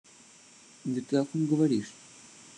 Да ты о ком говоришь?